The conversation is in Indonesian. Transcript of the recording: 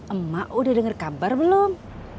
emak sudah dengar kabar belum